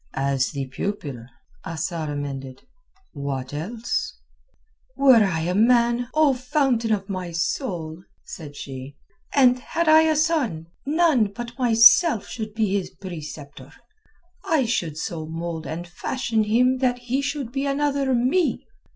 "As the pupil," Asad amended. "What else?" "Were I a man, O fountain of my soul," said she, "and had I a son, none but myself should be his preceptor. I should so mould and fashion him that he should be another me.